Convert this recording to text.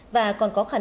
và còn có khả năng